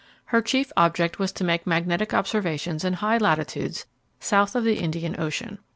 Her chief object was to make magnetic observations in high latitudes south of the Indian Ocean.